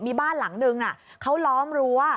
มีบ้านหลังนึงเขาล้อมรั้ว